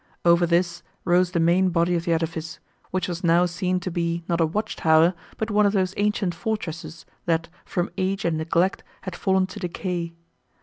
Over this, rose the main body of the edifice, which was now seen to be, not a watch tower, but one of those ancient fortresses, that, from age and neglect, had fallen to decay.